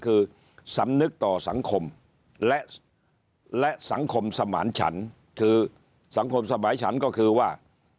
คือสำนึกต่อสังคมและสังคมสมานฉันคือสังคมสมัยฉันก็คือว่า